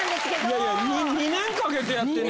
いやいや２年かけてやってんねやろ？